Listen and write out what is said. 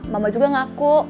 mama juga ngaku